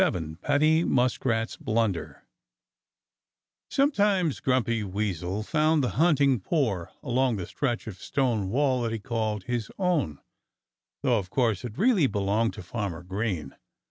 VII PADDY MUSKRAT'S BLUNDER Sometimes Grumpy Weasel found the hunting poor along the stretch of stone wall that he called his own though of course it really belonged to Farmer Green.